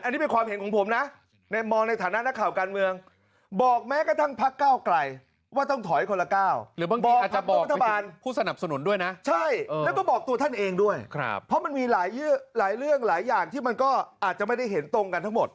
อันนี้เป็นความเห็นของผมนะมองในฐานะนักข่าการเมือง